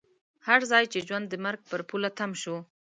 هر ځای چې ژوند د مرګ پر پوله تم شو.